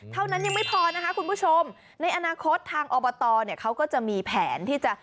เท่านั้นยังไม่พอนะคะคุณผู้ชมในอนาคตทางอบตเนี่ยเขาก็จะมีแผนที่จะ